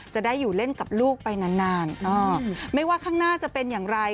จะได้อยู่เล่นกับลูกไปนานนานไม่ว่าข้างหน้าจะเป็นอย่างไร